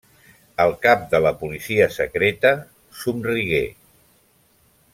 El cap de la policia secreta somrigué.